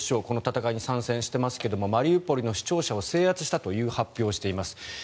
この戦いに参戦してますがマリウポリの市庁舎を制圧したという発表をしています